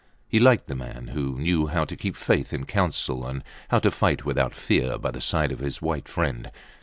He liked the man who knew how to keep faith in council and how to fight without fear by the side of his white friend.